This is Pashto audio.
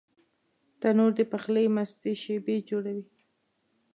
تنور د پخلي مستې شېبې جوړوي